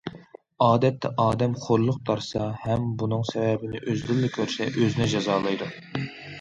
ئادەتتە ئادەم خورلۇق تارتسا ھەم بۇنىڭ سەۋەبىنى ئۆزىدىنلا كۆرسە ئۆزىنى جازالايدۇ.